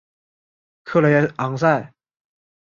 克雷昂塞。